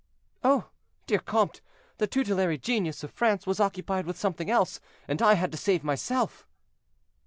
"Oh! dear comte, the tutelary genius of France was occupied with something else, and I had to save myself."